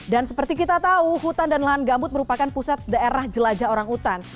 dan seperti kita tahu hutan dan lahan gambut merupakan pusat daerah jelajah orang hutan